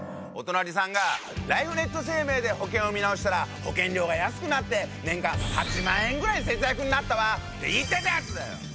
お隣さんが「ライフネット生命で保険を見直したら保険料が安くなって年間８万円ぐらい節約になったわ」って言ってたやつだよ！